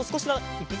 いくぞ！